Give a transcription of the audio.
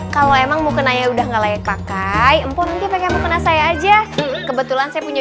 kalau emang mungkin aja udah nggak layak pakai mp tiga saya aja kebetulan saya punya